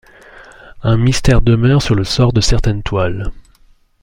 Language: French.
Un mystère demeure sur le sort de certaines toiles.